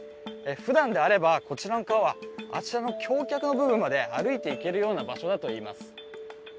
ふだんであれば、こちらの川はあちらの橋脚の部分まで歩いて行けるような場所だといいます。